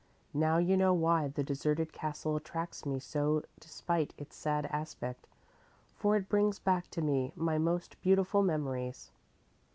Now you know why the deserted castle attracts me so despite its sad aspect, for it brings back to me my most beautiful memories."